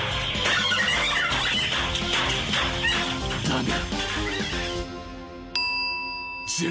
［だが］